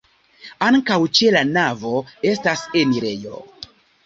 Ankaŭ ĉe la navo estas enirejo.